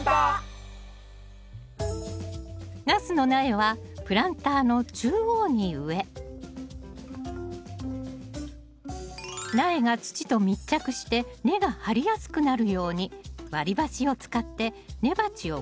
ナスの苗はプランターの中央に植え苗が土と密着して根が張りやすくなるように割り箸を使って根鉢を固定します